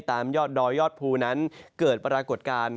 ตามยอดดอยยอดภูนั้นเกิดปรากฏการณ์